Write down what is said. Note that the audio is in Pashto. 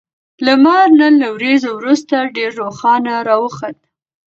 لمر نن له وريځو وروسته ډېر روښانه راوخوت